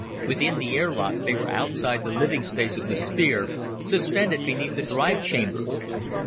Within the air lock they were outside the living space of the sphere, suspended beneath the drive chamber.